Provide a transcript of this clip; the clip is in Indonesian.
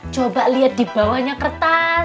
coba lihat di bawahnya kertas